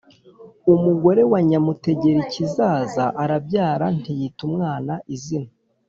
umugore wa Nyamutegerikizaza arabyara, ntiyita umwana izina